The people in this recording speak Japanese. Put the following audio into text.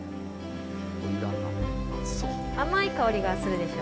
甘い香りがするでしょ？